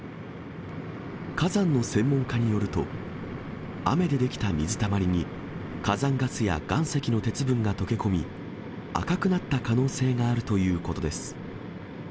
火山の専門家によると、雨で出来た水たまりに、火山ガスや岩石の鉄分が溶け込み、赤くなった可能性があるということです。